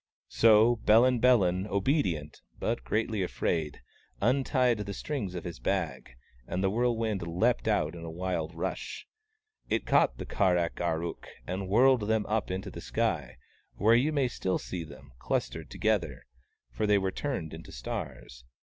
So Bellin Bellin, obedi ent, but greatly afraid, untied the strings of his bag, and the whirlwind leapt out with a wild rush. It caught the Kar ak ar ook, and whirled them up into the sky, where you may still see them, clustered together, for they were turned into stars.